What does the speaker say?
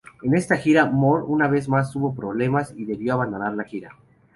En esta gira, Moore una vez más tuvo problemas y debió abandonar la gira.